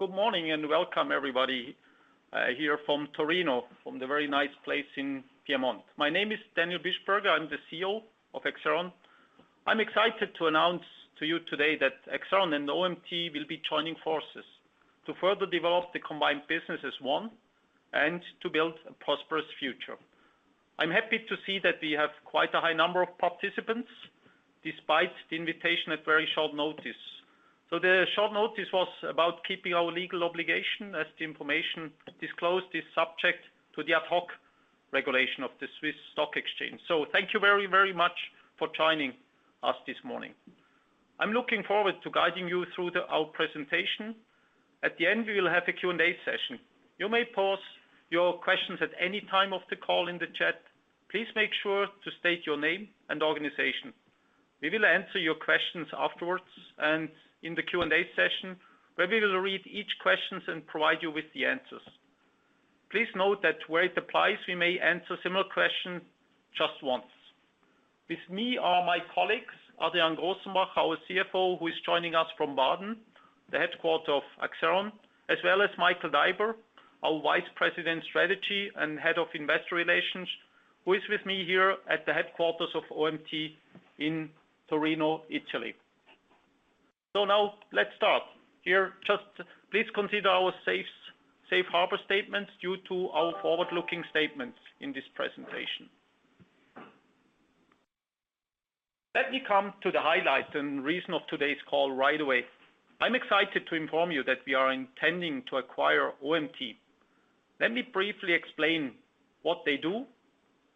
Good morning, welcome everybody, here from Torino, from the very nice place in Piedmont. My name is Daniel Bischofberger. I'm the CEO of Accelleron. I'm excited to announce to you today that Accelleron and OMT will be joining forces, to further develop the combined business as one, and to build a prosperous future. I'm happy to see that we have quite a high number of participants, despite the invitation at very short notice. The short notice was about keeping our legal obligation, as the information disclosed is subject to the Ad hoc regulation of the Swiss Stock Exchange. Thank you very, very much for joining us this morning. I'm looking forward to guiding you through our presentation. At the end, we will have a Q&A session. You may pose your questions at any time of the call in the chat. Please make sure to state your name and organization. We will answer your questions afterwards and in the Q&A session, where we will read each question and provide you with the answers. Please note that where it applies, we may answer similar questions just once. With me are my colleagues, Adrian Grossenbacher, our CFO, who is joining us from Baden, the headquarter of Accelleron, as well as Michael Daiber, our Vice President, Strategy and Head of Investor Relations, who is with me here at the headquarters of OMT in Torino, Italy. Now let's start. Here, just please consider our safe harbor statements due to our forward-looking statements in this presentation. Let me come to the highlight and reason of today's call right away. I'm excited to inform you that we are intending to acquire OMT. Let me briefly explain what they do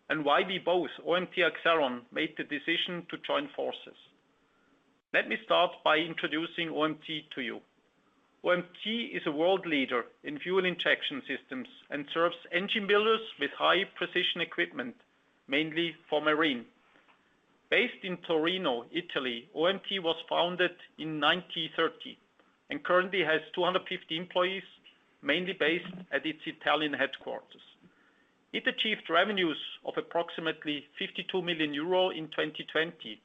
and why we both, OMT and Accelleron, made the decision to join forces. Let me start by introducing OMT to you. OMT is a world leader in fuel injection systems and serves engine builders with high-precision equipment, mainly for marine. Based in Torino, Italy, OMT was founded in 1930, and currently has 250 employees, mainly based at its Italian headquarters. It achieved revenues of approximately 52 million euro in 2020,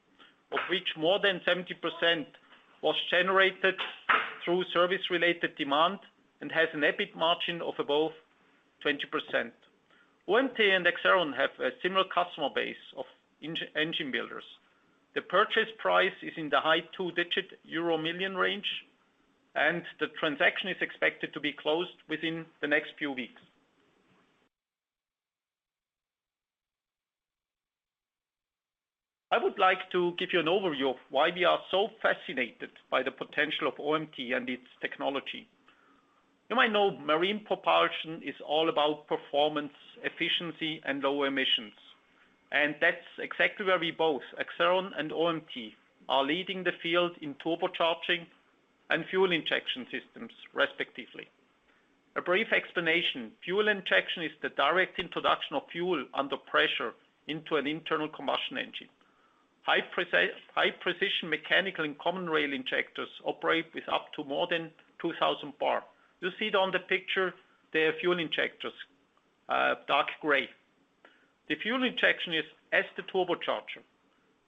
of which more than 70% was generated through service-related demand and has an EBIT margin of above 20%. OMT and Accelleron have a similar customer base of engine builders. The purchase price is in the high two-digit euro million range, and the transaction is expected to be closed within the next few weeks. I would like to give you an overview of why we are so fascinated by the potential of OMT and its technology. You might know, marine propulsion is all about performance, efficiency, and low emissions, and that's exactly where we both, Accelleron and OMT, are leading the field in turbocharging and fuel injection systems, respectively. A brief explanation: fuel injection is the direct introduction of fuel under pressure into an internal combustion engine. High-precision mechanical and common rail injectors operate with up to more than 2,000 bar. You see it on the picture, their fuel injectors, dark gray. The fuel injection is, as the turbocharger,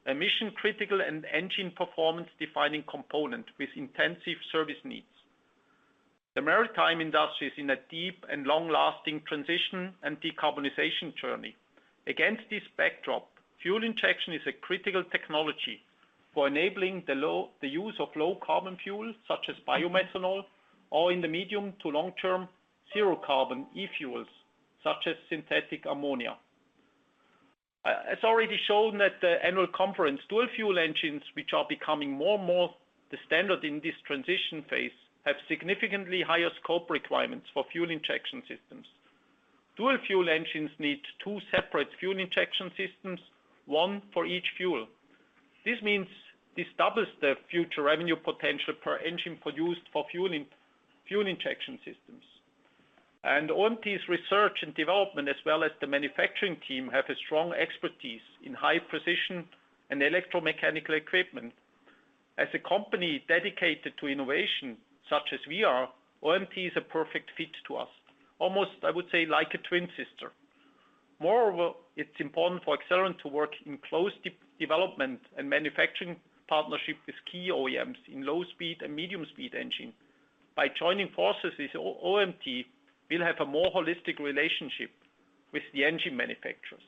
a mission-critical and engine performance-defining component with intensive service needs. The maritime industry is in a deep and long-lasting transition and decarbonization journey. Against this backdrop, fuel injection is a critical technology for enabling the use of low-carbon fuel, such as biomethanol, or in the medium to long term, zero-carbon e-fuels, such as synthetic ammonia. As already shown at the annual conference, dual-fuel engines, which are becoming more and more the standard in this transition phase, have significantly higher scope requirements for fuel injection systems. Dual-fuel engines need two separate fuel injection systems, one for each fuel. This means this doubles the future revenue potential per engine produced for fuel injection systems. OMT's research and development, as well as the manufacturing team, have a strong expertise in high precision and electromechanical equipment. As a company dedicated to innovation, such as we are, OMT is a perfect fit to us, almost, I would say, like a twin sister. Moreover, it's important for Accelleron to work in close development and manufacturing partnership with key OEMs in low-speed and medium-speed engine. By joining forces with OMT, we'll have a more holistic relationship with the engine manufacturers.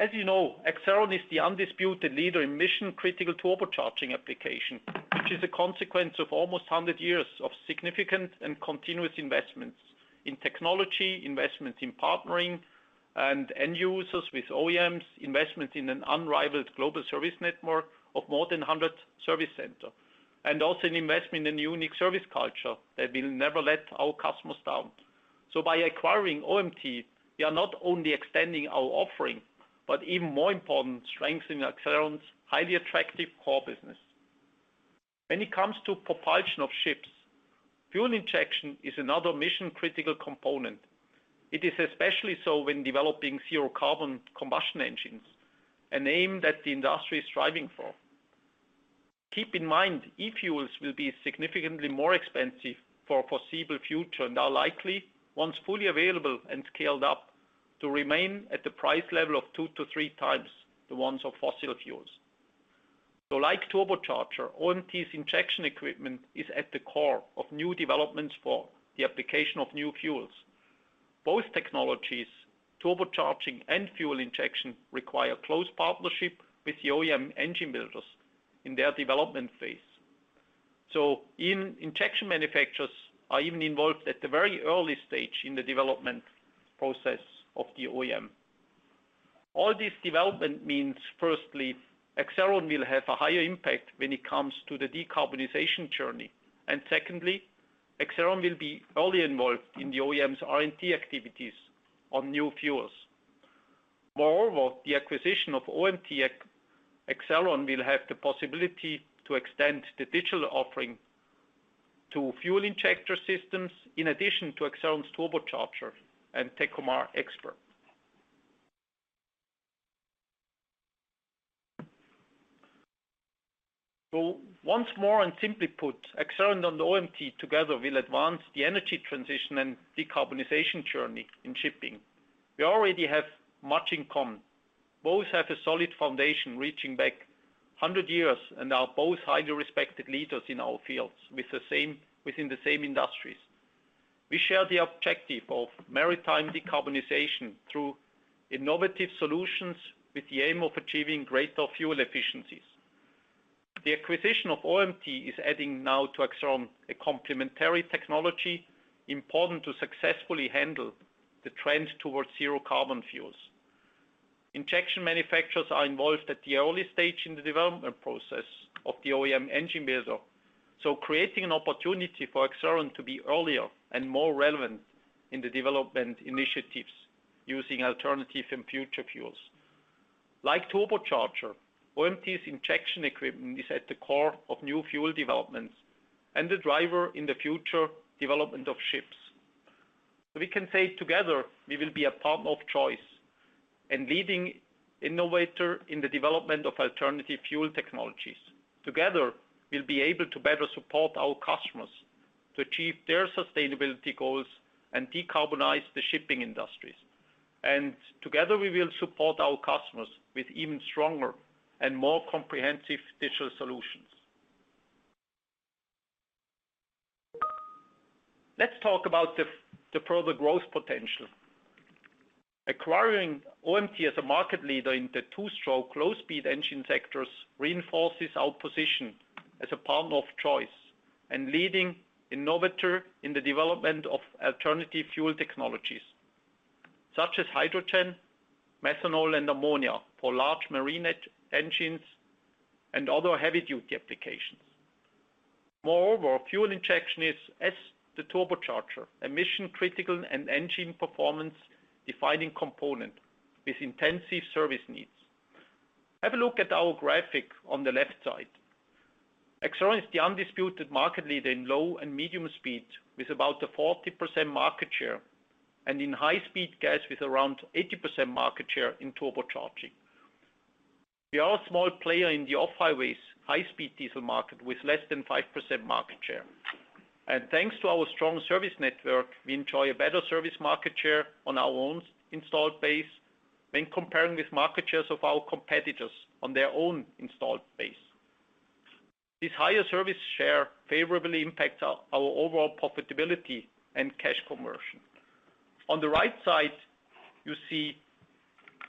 As you know, Accelleron is the undisputed leader in mission-critical turbocharging application, which is a consequence of almost 100 years of significant and continuous investments in technology, investments in partnering, and end users with OEMs, investments in an unrivaled global service network of more than 100 service center, and also an investment in a unique service culture that will never let our customers down. By acquiring OMT, we are not only extending our offering, but even more important, strengthening Accelleron's highly attractive core business. When it comes to propulsion of ships, fuel injection is another mission-critical component. It is especially so when developing zero-carbon combustion engines, an aim that the industry is striving for. Keep in mind, e-fuels will be significantly more expensive for foreseeable future, and are likely, once fully available and scaled up, to remain at the price level of 2-3 times the ones of fossil fuels. Like turbocharger, OMT's injection equipment is at the core of new developments for the application of new fuels. Both technologies, turbocharging and fuel injection, require close partnership with the OEM engine builders in their development phase. Injection manufacturers are even involved at the very early stage in the development process of the OEM. All this development means, firstly, Accelleron will have a higher impact when it comes to the decarbonization journey. Secondly, Accelleron will be early involved in the OEM's R&D activities on new fuels. The acquisition of OMT, Accelleron will have the possibility to extend the digital offering to fuel injection systems, in addition to Accelleron's turbocharger and Tekomar XPERT. Once more, and simply put, Accelleron and OMT together will advance the energy transition and decarbonization journey in shipping. We already have much in common. Both have a solid foundation, reaching back 100 years, and are both highly respected leaders in our fields, within the same industries. We share the objective of maritime decarbonization through innovative solutions, with the aim of achieving greater fuel efficiencies. The acquisition of OMT is adding now to Accelleron, a complementary technology, important to successfully handle the trend towards zero-carbon fuels. Injection manufacturers are involved at the early stage in the development process of the OEM engine builder, creating an opportunity for Accelleron to be earlier and more relevant in the development initiatives using alternative and future fuels. Like turbocharger, OMT's injection equipment is at the core of new fuel developments and the driver in the future development of ships. We can say together, we will be a partner of choice and leading innovator in the development of alternative fuel technologies. Together, we'll be able to better support our customers to achieve their sustainability goals and decarbonize the shipping industries. Together, we will support our customers with even stronger and more comprehensive digital solutions. Let's talk about the further growth potential. Acquiring OMT as a market leader in the two-stroke, low-speed engine sectors, reinforces our position as a partner of choice and leading innovator in the development of alternative fuel technologies, such as hydrogen, methanol, and ammonia for large marine engines and other heavy-duty applications. Moreover, fuel injection is, as the turbocharger, a mission-critical and engine performance-defining component with intensive service needs. Have a look at our graphic on the left side. Accelleron is the undisputed market leader in low and medium speed, with about a 40% market share, and in high speed gas, with around 80% market share in turbocharging. We are a small player in the off-highway, high-speed diesel market, with less than 5% market share. Thanks to our strong service network, we enjoy a better service market share on our own installed base when comparing with market shares of our competitors on their own installed base. This higher service share favorably impacts our overall profitability and cash conversion. On the right side, you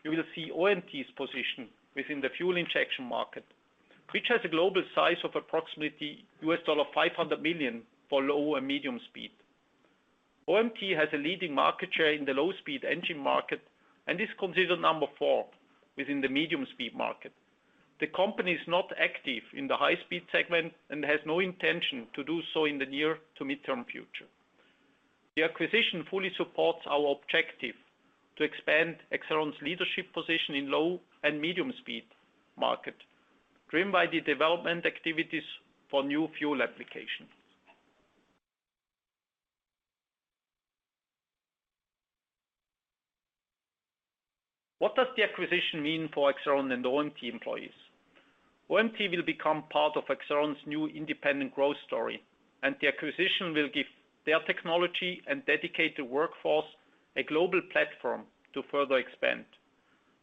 will see OMT's position within the fuel injection market, which has a global size of approximately $500 million for low and medium speed. OMT has a leading market share in the low-speed engine market and is considered number four within the medium-speed market. The company is not active in the high-speed segment and has no intention to do so in the near to midterm future. The acquisition fully supports our objective to expand Accelleron's leadership position in low and medium-speed market, driven by the development activities for new fuel application. What does the acquisition mean for Accelleron and OMT employees? OMT will become part of Accelleron's new independent growth story, and the acquisition will give their technology and dedicated workforce a global platform to further expand.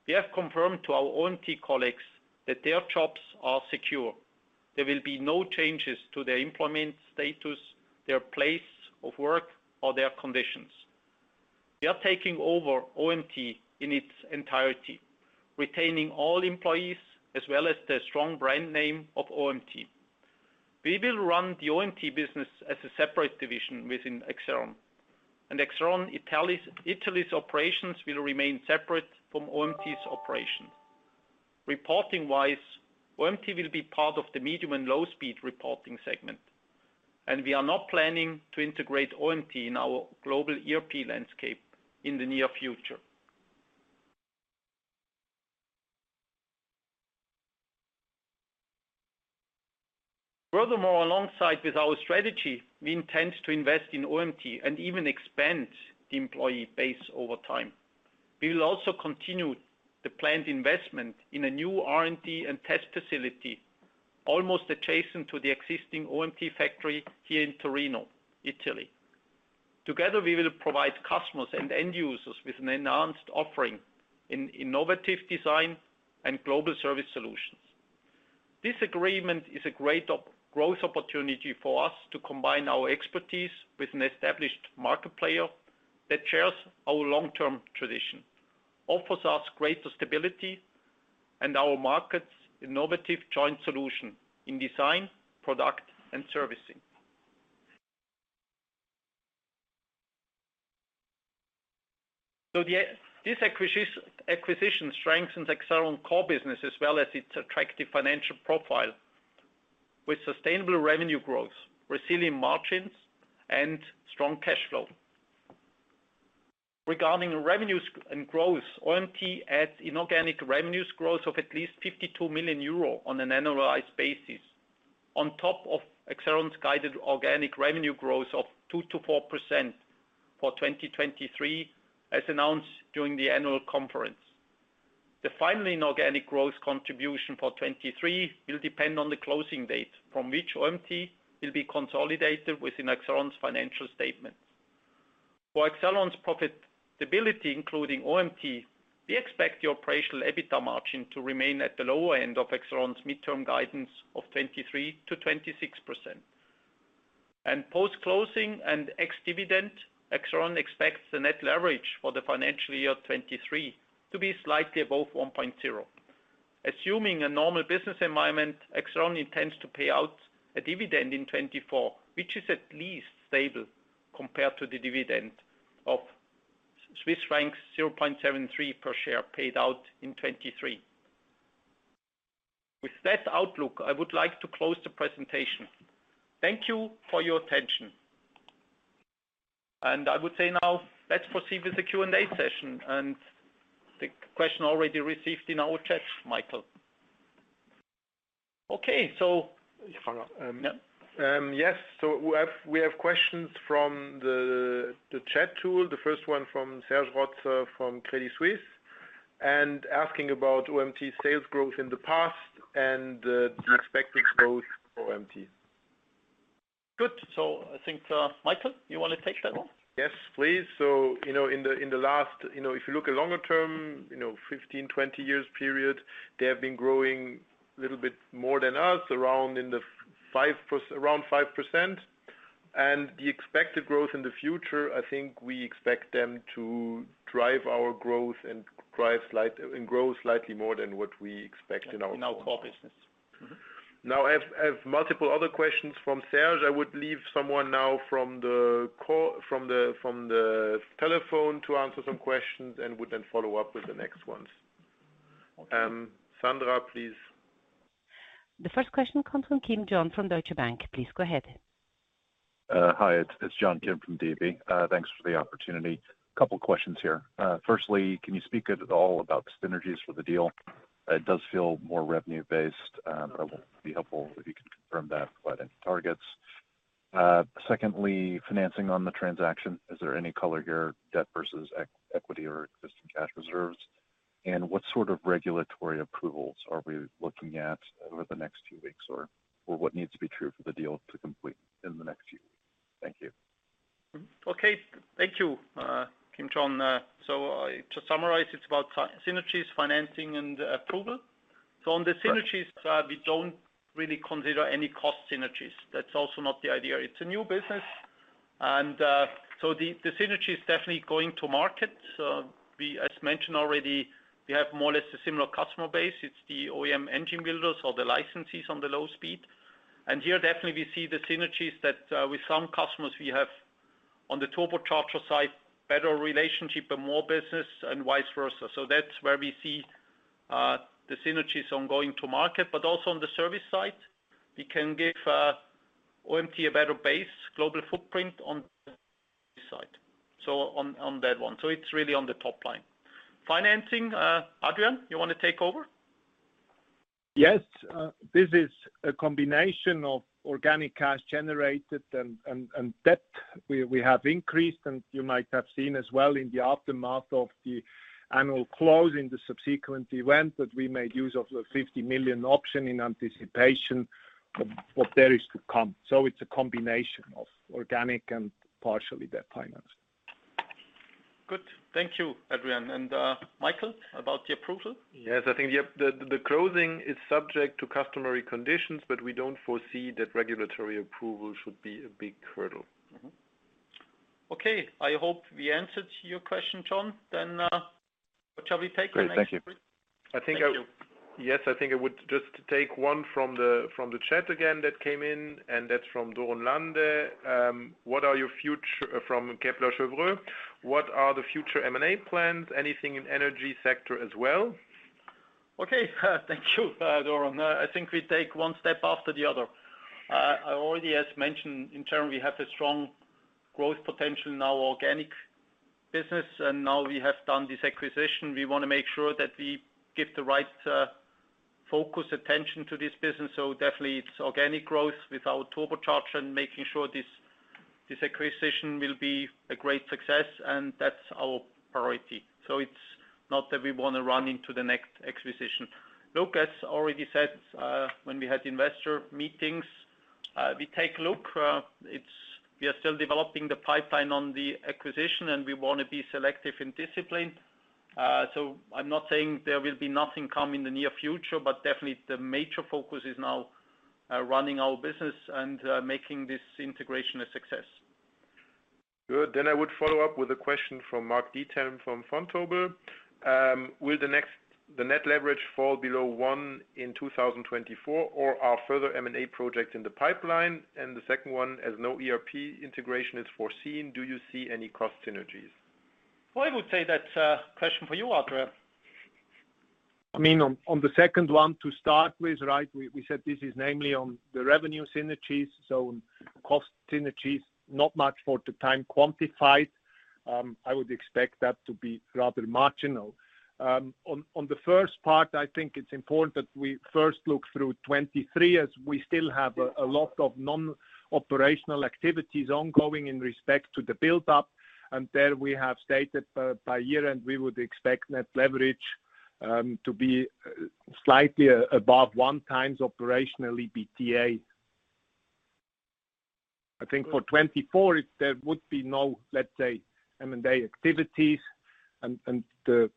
We have confirmed to our OMT colleagues that their jobs are secure. There will be no changes to their employment status, their place of work, or their conditions. We are taking over OMT in its entirety, retaining all employees as well as the strong brand name of OMT. We will run the OMT business as a separate division within Accelleron, and Accelleron Italy's operations will remain separate from OMT's operations. Reporting-wise, OMT will be part of the medium and low-speed reporting segment, and we are not planning to integrate OMT in our global ERP landscape in the near future. Furthermore, alongside with our strategy, we intend to invest in OMT and even expand the employee base over time. We will also continue the planned investment in a new R&D and test facility, almost adjacent to the existing OMT factory here in Torino, Italy. Together, we will provide customers and end users with an enhanced offering in innovative design and global service solutions. This agreement is a great growth opportunity for us to combine our expertise with an established market player that shares our long-term tradition, offers us greater stability, and our market's innovative joint solution in design, product, and servicing. This acquisition strengthens Accelleron's core business, as well as its attractive financial profile, with sustainable revenue growth, resilient margins, and strong cash flow. Regarding revenues and growth, OMT adds inorganic revenues growth of at least 52 million euro on an annualized basis, on top of Accelleron's guided organic revenue growth of 2%-4% for 2023, as announced during the annual conference. The final inorganic growth contribution for 2023 will depend on the closing date, from which OMT will be consolidated within Accelleron's financial statement. For Accelleron's profitability, including OMT, we expect the operational EBITDA margin to remain at the lower end of Accelleron's midterm guidance of 23%-26%. Post-closing and ex-dividend, Accelleron expects the net leverage for the financial year 2023 to be slightly above 1.0. Assuming a normal business environment, Accelleron intends to pay out a dividend in 2024, which is at least stable compared to the dividend of Swiss francs 0.73 per share, paid out in 2023. With that outlook, I would like to close the presentation. Thank you for your attention. I would say now, let's proceed with the Q&A session, and the question already received in our chat, Michael. Okay. Yes, we have questions from the chat tool. The first one from Serge Rotzer, from Credit Suisse, asking about OMT's sales growth in the past and the expected growth for OMT. Good. I think, Michael, you want to take that one? Yes, please. You know, in the last, you know, if you look at longer term, you know, 15, 20 years period, they have been growing a little bit more than us, around 5%. The expected growth in the future, I think we expect them to drive our growth and grow slightly more than what we expect in our business. In our core business. Mm-hmm. Now, I have multiple other questions from Serge. I would leave someone now from the call, from the telephone to answer some questions and would then follow up with the next ones. Okay. Sandra, please. The first question comes from John Kim from Deutsche Bank. Please go ahead. Hi, it's John Kim from DB. Thanks for the opportunity. A couple of questions here. Firstly, can you speak at all about synergies for the deal? It does feel more revenue-based, but it will be helpful if you can confirm that by the targets. Secondly, financing on the transaction, is there any color here, debt versus equity or existing cash reserves? What sort of regulatory approvals are we looking at over the next few weeks, or what needs to be true for the deal to complete in the next few weeks? Thank you. Okay. Thank you, John Kim. To summarize, it's about synergies, financing, and approval. Right. On the synergies, we don't really consider any cost synergies. That's also not the idea. It's a new business, the synergy is definitely going to market. We, as mentioned already, we have more or less a similar customer base. It's the OEM engine builders or the licensees on the low-speed. Here, definitely, we see the synergies that with some customers, we have, on the turbocharger side, better relationship and more business, and vice versa. That's where we see the synergies on going to market, but also on the service side, we can give OMT a better base, global footprint on the site. On that one. It's really on the top line. Financing, Adrian, you want to take over? Yes. This is a combination of organic cash generated and debt. We have increased, and you might have seen as well in the aftermath of the annual closing, the subsequent event, that we made use of the 50 million option in anticipation of what there is to come. It's a combination of organic and partially debt financed. Good. Thank you, Adrian. Michael, about the approval? Yes, I think, the closing is subject to customary conditions, but we don't foresee that regulatory approval should be a big hurdle. Okay, I hope we answered your question, John. What shall we take next? Great. Thank you. I think. Thank you. Yes, I think I would just take one from the, from the chat again, that came in, and that's from Doron Lande, from Kepler Cheuvreux. What are the future M&A plans? Anything in energy sector as well? Okay, thank you, Doron. I think we take one step after the other. I already has mentioned, in term, we have a strong growth potential in our organic business, and now we have done this acquisition. We want to make sure that we give the right focus attention to this business, so definitely it's organic growth without turbocharger and making sure this acquisition will be a great success, and that's our priority. It's not that we want to run into the next acquisition. Look, as already said, when we had investor meetings, we take a look. We are still developing the pipeline on the acquisition, and we want to be selective and disciplined. I'm not saying there will be nothing come in the near future, but definitely the major focus is now running our business and making this integration a success. Good. I would follow up with a question from Mark Diethelm from Vontobel. Will the net leverage fall below one in 2024, or are further M&A projects in the pipeline? The second one, as no ERP integration is foreseen, do you see any cost synergies? Well, I would say that's a question for you, Adrian. I mean, on the second one to start with, right? We said this is namely on the revenue synergies. Cost synergies, not much for the time quantified. I would expect that to be rather marginal. On the first part, I think it's important that we first look through 2023, as we still have a lot of non-operational activities ongoing in respect to the build-up. There we have stated by year-end, we would expect net leverage to be slightly above 1x operationally EBITDA. I think for 2024, if there would be no, let's say, M&A activities and the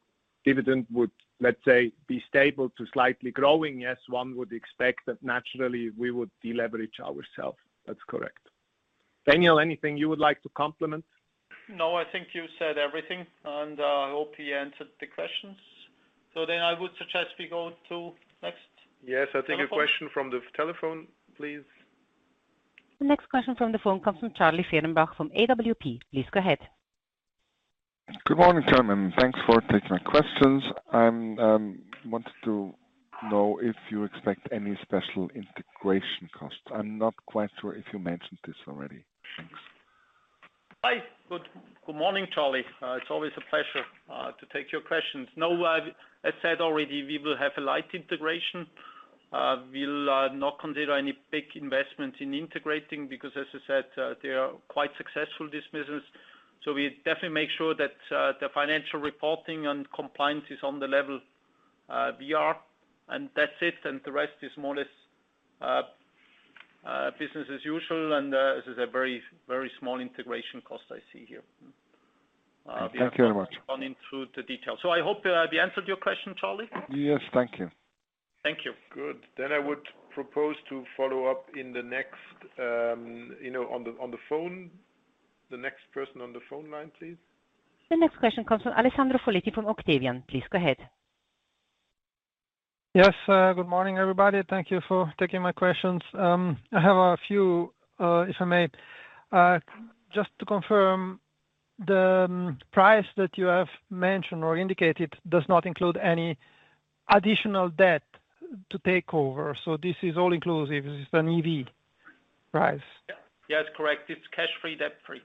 dividend would, let's say, be stable to slightly growing, yes, one would expect that naturally we would deleverage ourself. That's correct. Daniel, anything you would like to complement? No, I think you said everything, and I hope you answered the questions. I would suggest we go to next. Yes, I'll take a question from the telephone, please. The next question from the phone comes from Charlie Fehrenbach from AWP. Please go ahead. Good morning, gentlemen. Thanks for taking my questions. I wanted to know if you expect any special integration costs. I'm not quite sure if you mentioned this already. Thanks. Hi. Good morning, Charlie. It's always a pleasure to take your questions. I said already, we will have a light integration. We'll not consider any big investment in integrating because, as I said, they are quite successful, this business. We definitely make sure that the financial reporting and compliance is on the level we are, and that's it. The rest is more or less business as usual. This is a very, very small integration cost I see here. Thank you very much. Running through the details. I hope, we answered your question, Charlie? Yes, thank you. Thank you. Good. I would propose to follow up in the next, you know, on the, on the phone. The next person on the phone line, please. The next question comes from Alessandro Foletti from Octavian. Please go ahead. Yes, good morning, everybody. Thank you for taking my questions. I have a few, if I may. Just to confirm, the price that you have mentioned or indicated does not include any additional debt to take over. This is all inclusive, this is an EV price? Yeah. Yes, correct. It's cash-free, debt-free.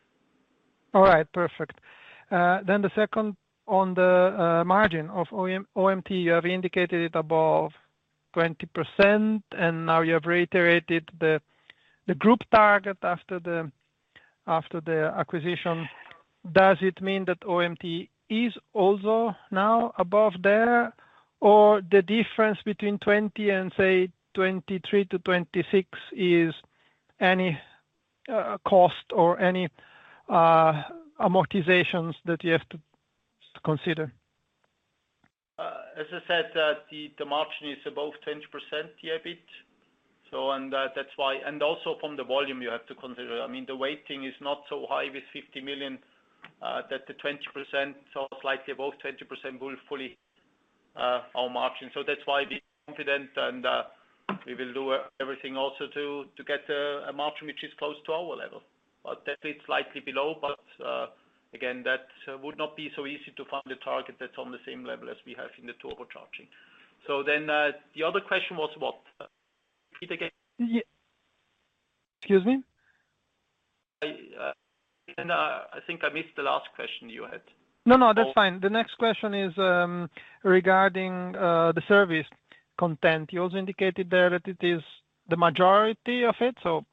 All right, perfect. The second, on the margin of OMT, you have indicated it above 20%, and now you have reiterated the group target after the acquisition. Does it mean that OMT is also now above there, or the difference between 20% and, say, 23%-26%, is any cost or any amortizations that you have to consider? As I said, the margin is above 10% EBIT. From the volume you have to consider. I mean, the weighting is not so high with 50 million that the 20%, so slightly above 20%, will fully our margin. That's why we're confident, and we will do everything also to get a margin which is close to our level, but definitely it's slightly below. Again, that would not be so easy to find a target that's on the same level as we have in the turbocharging. The other question was what? Repeat again. Excuse me? I think I missed the last question you had. No, no, that's fine. The next question is regarding the service content. You also indicated there that it is the majority of it, so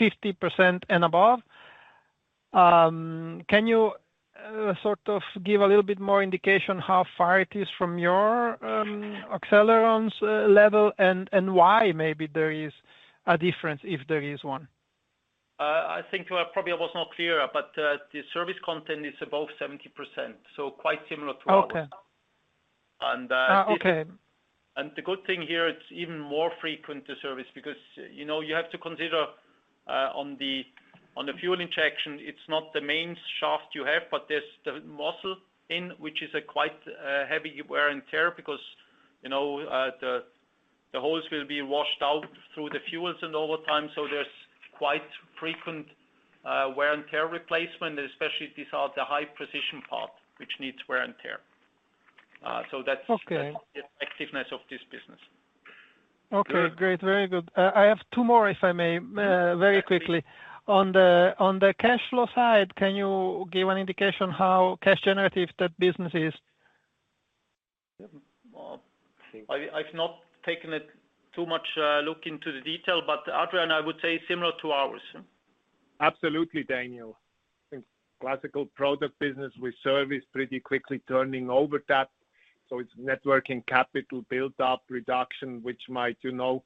50% and above. Can you sort of give a little bit more indication how far it is from your Accelleron's level, and why maybe there is a difference, if there is one? I think probably I was not clear, but the service content is above 70%, so quite similar to ours. Okay. And, uh- Oh, okay. The good thing here, it's even more frequent, the service, because, you know, you have to consider, on the fuel injection, it's not the main shaft you have, but there's the nozzle ring, which is a quite, heavy wear and tear because, you know, the holes will be washed out through the fuels and over time, so there's quite frequent wear and tear replacement, especially these are the high precision part which needs wear and tear. Okay. The effectiveness of this business. Okay, great. Very good. I have two more, if I may, very quickly. On the cash flow side, can you give an indication how cash generative that business is? Well, I've not taken it too much, look into the detail, but Adrian, I would say similar to ours. Absolutely, Daniel. I think classical product business we service pretty quickly turning over that, so it's networking capital build up reduction, which might, you know,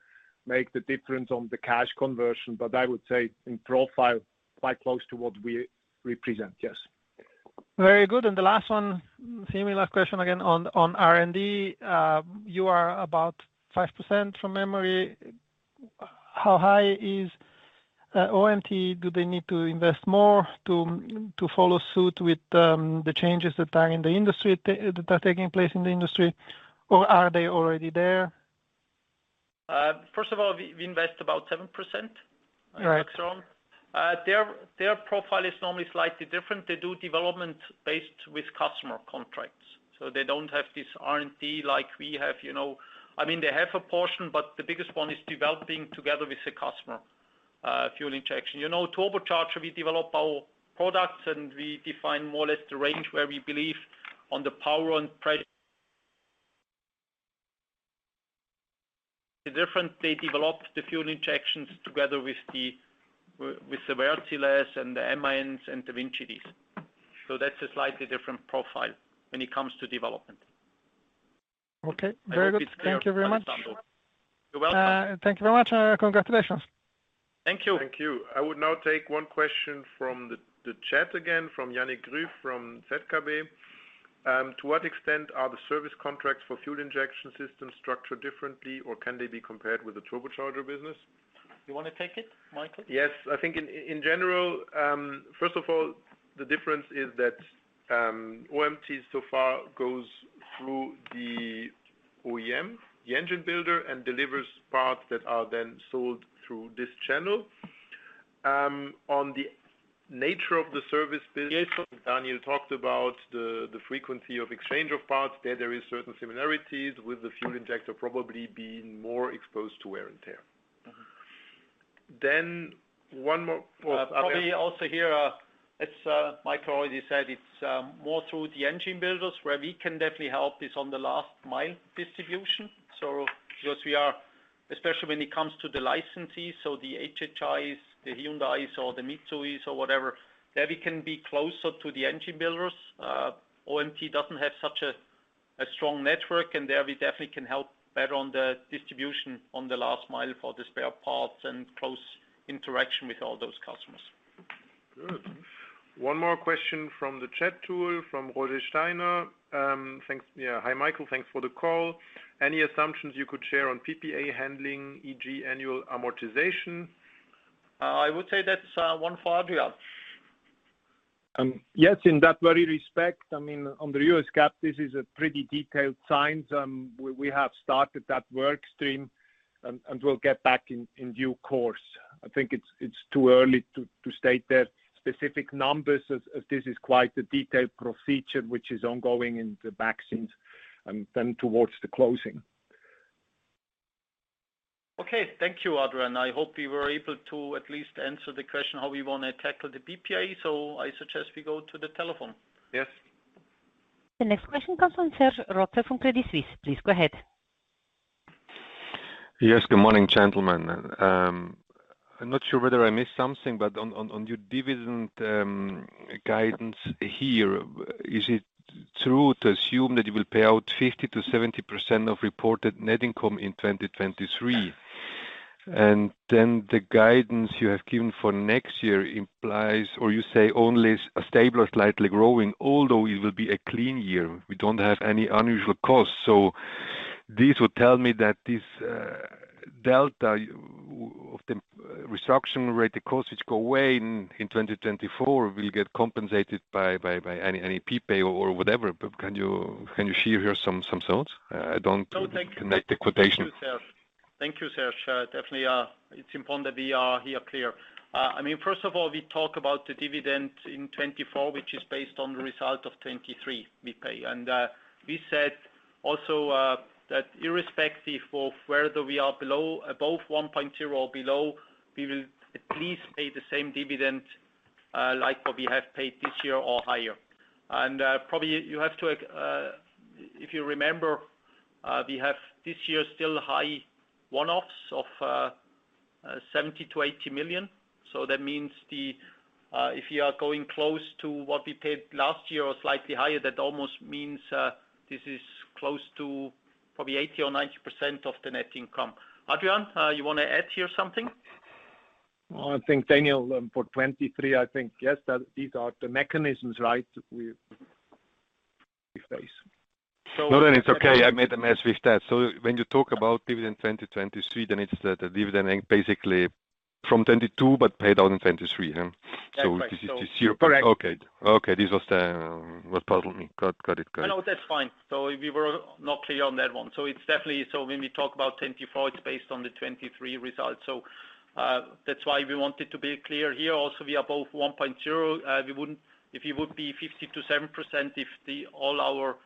make the difference on the cash conversion, but I would say in profile, quite close to what we represent. Yes. Very good. The last one, semi last question again, on R&D. You are about 5% from memory. How high is OMT? Do they need to invest more to follow suit with the changes that are in the industry, that are taking place in the industry, or are they already there? First of all, we invest about 7%. Right. In strong. Their profile is normally slightly different. They do development based with customer contracts, so they don't have this R&D like we have, you know. I mean, they have a portion, but the biggest one is developing together with the customer, fuel injection. You know, turbocharger, we develop our products, and we define more or less the range where we believe on the power and price. The different, they developed the fuel injections together with the WinGD and the MAN and the Vincitis. That's a slightly different profile when it comes to development. Okay. Very good. I hope it's clear. Thank you very much. You're welcome. Thank you very much, congratulations. Thank you. Thank you. I would now take one question from the chat again, from Yannik Ryf, from ZKB. To what extent are the service contracts for fuel injection systems structured differently, or can they be compared with the turbocharger business? You want to take it, Michael? Yes. I think in general, first of all, the difference is that OMT so far goes through the OEM, the engine builder, and delivers parts that are then sold through this channel. On the nature of the service business, Daniel talked about the frequency of exchange of parts. There is certain similarities, with the fuel injector probably being more exposed to wear and tear. Okay. Probably also here, as Michael already said, it's more through the engine builders. Where we can definitely help is on the last mile distribution. Because we are, especially when it comes to the licensees, so the HHIs, the Hyundais, or the Mitsubishi or whatever, there we can be closer to the engine builders. OMT doesn't have such a strong network, and there we definitely can help better on the distribution on the last mile for the spare parts and close interaction with all those customers. Good. One more question from the chat tool, from Rosie Steiner. Thanks. Yeah, hi, Michael, thanks for the call. Any assumptions you could share on PPA handling, e.g., annual amortization? I would say that's one for Adrian. Yes, in that very respect, I mean, on the U.S. GAAP, this is a pretty detailed science. We have started that work stream, and we'll get back in due course. I think it's too early to state the specific numbers as this is quite a detailed procedure, which is ongoing in the back since then towards the closing. Okay. Thank you, Adrian. I hope we were able to at least answer the question, how we want to tackle the PPA, so I suggest we go to the telephone. Yes. The next question comes from Serge Rotzer from Credit Suisse. Please go ahead. Yes, good morning, gentlemen. I'm not sure whether I missed something, but on, on your dividend guidance here, is it true to assume that you will pay out 50%-70% of reported net income in 2023? The guidance you have given for next year implies, or you say, only a stable or slightly growing, although it will be a clean year. We don't have any unusual costs. This would tell me that this delta of the reduction rate, the costs which go away in 2024, will get compensated by any PPA or whatever. Can you share here some thoughts? I don't... No, thank you. Connect the quotation. Thank you, Serge. Definitely, it's important that we are here clear. I mean, first of all, we talk about the dividend in 2024, which is based on the result of 2023, we pay. We said also that irrespective of whether we are above 1.0 or below, we will at least pay the same dividend like what we have paid this year or higher. Probably you have to, if you remember, we have this year still high one-offs of 70 million-80 million. That means the, if you are going close to what we paid last year or slightly higher, that almost means this is close to probably 80%-90% of the net income. Adrian, you want to add here something? Well, I think, Daniel, for 2023, I think, yes, that these are the mechanisms, right? We face. It's okay. I made a mess with that. When you talk about dividend 2023, it's the dividend basically from 2022, but paid out in 2023, huh? That's right. this year- Correct. Okay. Okay. This was the what puzzled me. Got it. Good. No, that's fine. We were not clear on that one. It's definitely, when we talk about 2024, it's based on the 2023 results. That's why we wanted to be clear here. We are above 1.0. If it would be 50%-7%, if all our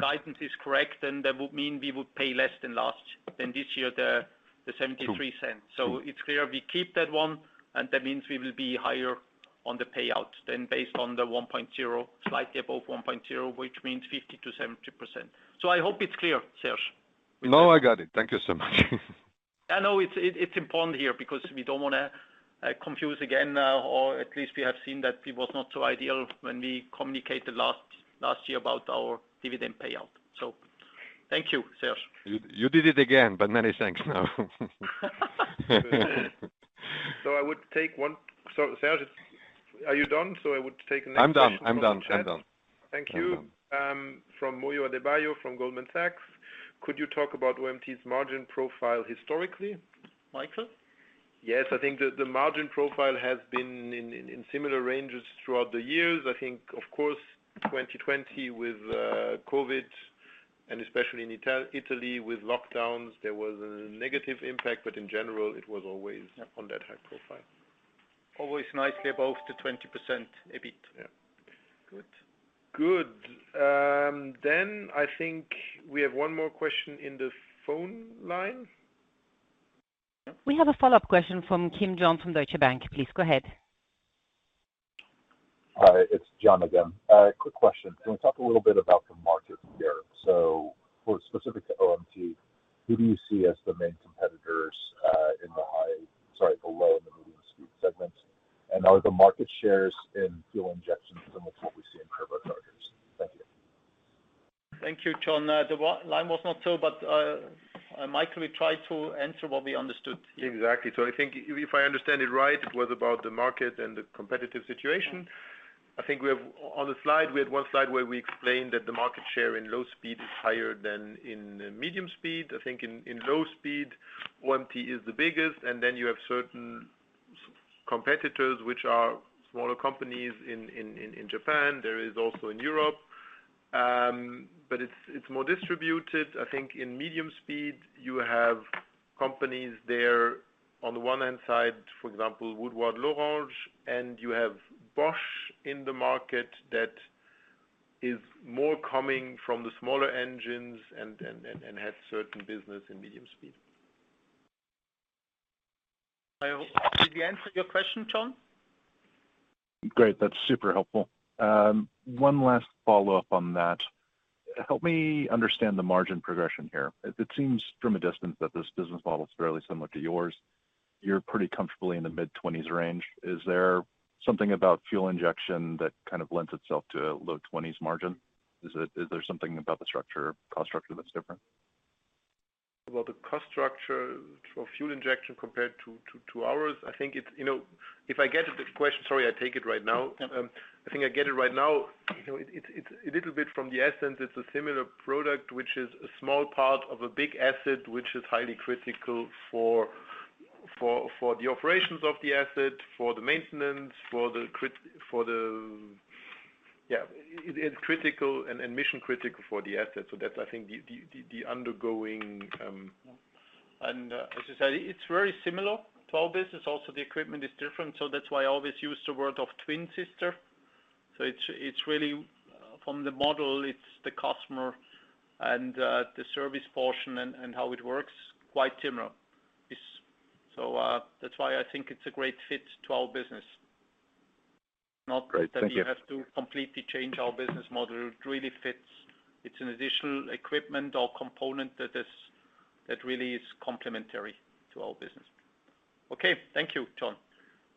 guidance is correct, then that would mean we would pay less than last, than this year, the 0.73. True. It's clear we keep that one, and that means we will be higher on the payout than based on the 1.0, slightly above 1.0, which means 50%-70%. I hope it's clear, Serge. No, I got it. Thank you so much. I know it's important here because we don't wanna confuse again, or at least we have seen that it was not so ideal when we communicated last year about our dividend payout. Thank you, Serge. You did it again, but many thanks now. Serge, are you done? I would take the next question. I'm done. I'm done. I'm done. Thank you. From Daniela Costa, from Goldman Sachs. Could you talk about OMT's margin profile historically? Michael? Yes, I think the margin profile has been in similar ranges throughout the years. I think, of course, 2020 with COVID, and especially in Italy, with lockdowns, there was a negative impact. In general, it was always on that high profile. Always nicely above the 20%, a bit. Yeah. Good. Good. I think we have one more question in the phone line. We have a follow-up question from John Kim from Deutsche Bank. Please, go ahead. Hi, it's John again. Quick question. Can we talk a little bit about the market share? For specific to OMT, who do you see as the main competitors, in the low-speed and the medium-speed segments? Are the market shares in fuel injection similar to what we see in turbochargers? Thank you. Thank you, John. The line was not so, but Michael, we tried to answer what we understood. Exactly. I think if I understand it right, it was about the market and the competitive situation. On the slide, we had one slide where we explained that the market share in low speed is higher than in medium speed. I think in low speed, OMT is the biggest, and then you have certain competitors, which are smaller companies in Japan, there is also in Europe. It's more distributed. I think in medium speed, you have companies there, on the one hand side, for example, Woodward L'Orange, and you have Bosch in the market that is more coming from the smaller engines and have certain business in medium speed. Did we answer your question, John? Great, that's super helpful. One last follow-up on that. Help me understand the margin progression here. It seems from a distance that this business model is fairly similar to yours. You're pretty comfortably in the mid-20s range. Is there something about fuel injection that kind of lends itself to a low 20s margin? Is there something about the structure, cost structure, that's different? The cost structure for fuel injection compared to ours, I think it's, you know, if I get the question. Sorry, I take it right now. Yeah. I think I get it right now. You know, it's a little bit from the essence, it's a similar product, which is a small part of a big asset, which is highly critical for the operations of the asset, for the maintenance. Yeah, it's critical and mission-critical for the asset. That's, I think, the undergoing. As I said, it's very similar to our business. Also, the equipment is different, that's why I always use the word of twin sister. It's really from the model, it's the customer and the service portion and how it works, quite similar. That's why I think it's a great fit to our business. Great, thank you. Not that we have to completely change our business model. It really fits. It's an additional equipment or component that really is complementary to our business. Okay, thank you, John.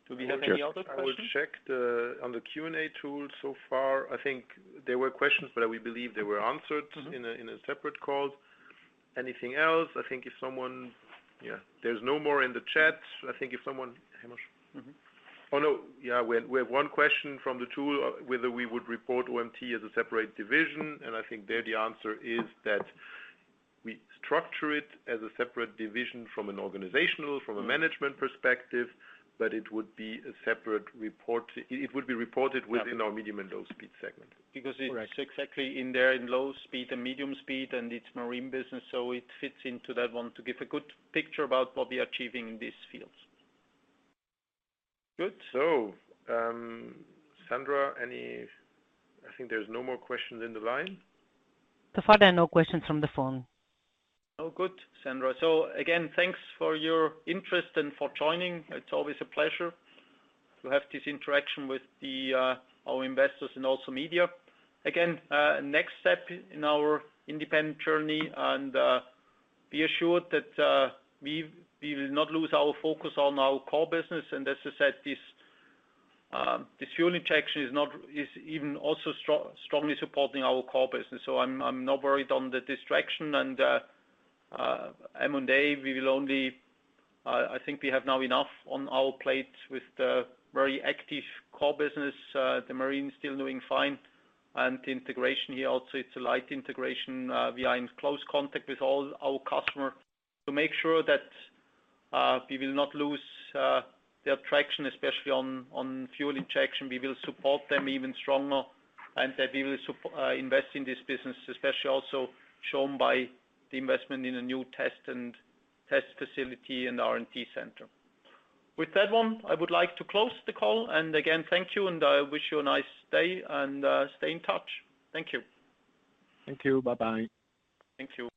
Do we have any other questions? I will check the, on the Q&A tool so far. I think there were questions, but we believe they were answered. Mm-hmm... in a separate call. Anything else? I think. Yeah, there's no more in the chat. I think if someone, Hemosh? Mm-hmm. Oh, no. Yeah, we have one question from the tool, whether we would report OMT as a separate division. I think there the answer is that we structure it as a separate division from an organizational, from a management perspective, but it would be a separate report. It would be reported within our medium and low speed segment. Because- Correct... it's exactly in there, in low speed and medium speed, and it's marine business, so it fits into that one to give a good picture about what we are achieving in these fields. Good. Sandra, I think there's no more questions in the line. So far, there are no questions from the phone. Oh, good, Sandra. Again, thanks for your interest and for joining. It's always a pleasure to have this interaction with our investors and also media. Next step in our independent journey, and be assured that we will not lose our focus on our core business. As I said, this fuel injection is not, is even also strongly supporting our core business. I'm not worried on the distraction and M&A, we will only, I think we have now enough on our plate with the very active core business, the marine still doing fine, and the integration here also, it's a light integration. We are in close contact with all our customer to make sure that we will not lose the attraction, especially on fuel injection. We will support them even stronger, that we will invest in this business, especially also shown by the investment in a new test and test facility in R&D center. With that one, I would like to close the call. Again, thank you. I wish you a nice day, and stay in touch. Thank you. Thank you. Bye-bye. Thank you.